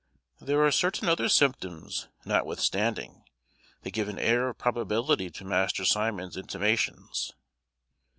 There are certain other symptoms, notwithstanding, that give an air of probability to Master Simon's intimations.